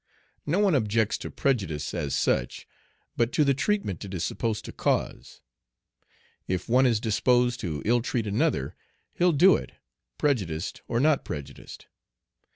No one objects to prejudice as such, but to the treatment it is supposed to cause. If one is disposed to ill treat another, he'll do it, prejudiced or not prejudiced.